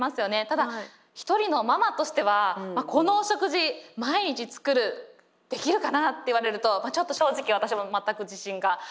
ただ一人のママとしてはこのお食事毎日作るできるかなって言われるとちょっと正直私も全く自信がありません。